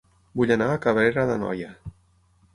Vull anar a Cabrera d'Anoia